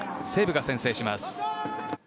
西武が先制します。